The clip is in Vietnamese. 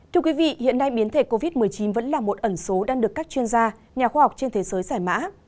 thưa quý vị hiện nay biến thể covid một mươi chín vẫn là một ẩn số đang được các chuyên gia nhà khoa học trên thế giới giải mã